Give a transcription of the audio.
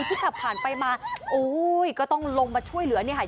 ขับผ่านไปมาโอ้ยก็ต้องลงมาช่วยเหลือเนี่ยค่ะ